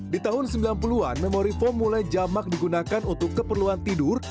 di tahun sembilan puluh an memori foam mulai jamak digunakan untuk keperluan tidur